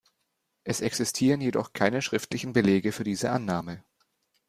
Es existieren jedoch keine schriftlichen Belege für diese Annahme.